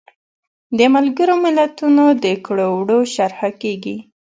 د ملګرو ملتونو د کړو وړو شرحه کیږي.